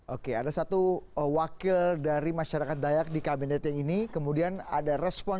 oke ada satu wakil dari masyarakat dayak di kabinet ini kemudian ada respon juga dari pak presiden